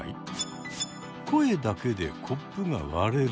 声だけでコップが割れる？